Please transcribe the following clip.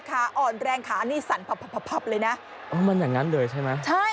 ขาอ่อนแรงขานี่สั่นพับเลยนะอ๋อมันอย่างนั้นเลยใช่ไหมใช่